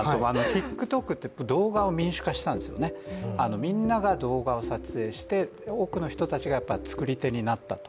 ＴｉｋＴｏｋって動画を民主化したんですよね、みんなが動画を撮影して多くの人たちが作り手になったと。